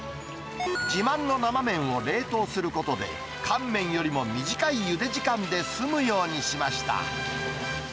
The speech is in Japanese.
自慢の生麺を冷凍することで、乾麺よりも短いゆで時間で済むようにしました。